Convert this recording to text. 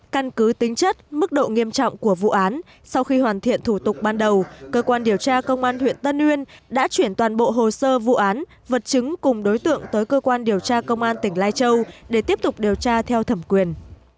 căn cứ tính chất mức độ nghiêm trọng của vụ án sau khi hoàn thiện thủ tục ban đầu cơ quan điều tra công an huyện tân uyên đã chuyển toàn bộ hồ sơ vụ án vật chứng cùng đối tượng tới cơ quan điều tra công an tỉnh lai châu để tiếp tục điều tra theo thẩm quyền